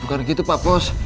bukan gitu pak bos